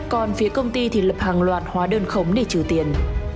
còn phía công ty thì lập hàng loạt hóa đơn khống để trừ tiền